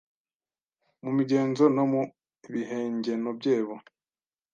mu migenzo no mu bihengeno byebo.